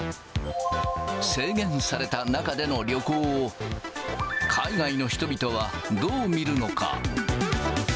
制限された中での旅行を、海外の人々はどう見るのか。